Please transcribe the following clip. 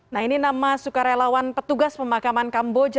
nah ini nama sukarelawan petugas pemakaman kamboja